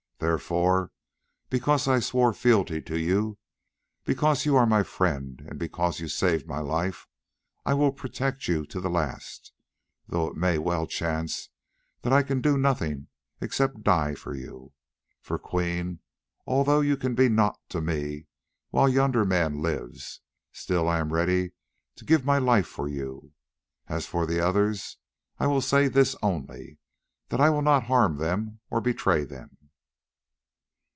Therefore, because I swore fealty to you, because you are my friend, and because you saved my life, I will protect you to the last, though it may well chance that I can do nothing except die for you. For, Queen, although you can be nought to me while yonder man lives, still I am ready to give my life for you. As for the others I will say this only, that I will not harm them or betray them.